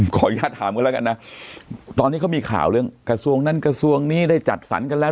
ขออนุญาตถามกันแล้วกันนะตอนนี้เขามีข่าวเรื่องกระทรวงนั้นกระทรวงนี้ได้จัดสรรกันแล้ว